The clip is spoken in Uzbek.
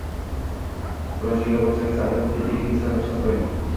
Biron joyga borsangiz, albatta eringizdan ruxsat so‘rang.